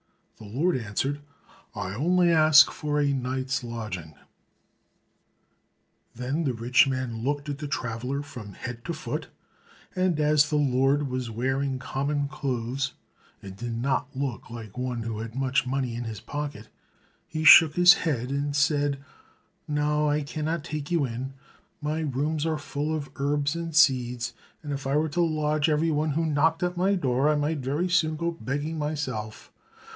The Lord answered, "I only ask for a night's lodging." Then the rich man looked at the traveler from head to foot, and as the Lord was wearing common clothes, and did not look like one who had much money in his pocket, he shook his head, and said, "No, I cannot take you in, my rooms are full of herbs and seeds; and if I were to lodge everyone who knocked at my door, I might very soon go begging myself.